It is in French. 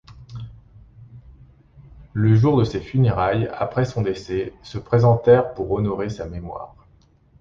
Le jour de ses funérailles, après son décès, se présentèrent pour honorer sa mémoire.